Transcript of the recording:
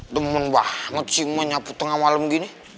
demen banget sih emak nyapu tengah malem gini